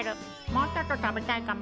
もうちょっと食べたいかも。